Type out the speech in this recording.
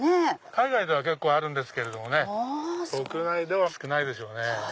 海外では結構あるんですけど国内では少ないでしょうね。